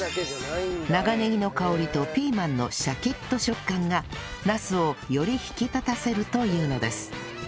長ネギの香りとピーマンのシャキッと食感がナスをより引き立たせるというのです